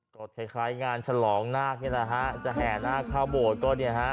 ก็คล้ายงานฉลองนาคนี่แหละฮะจะแห่นาคเข้าโบสถ์ก็เนี่ยฮะ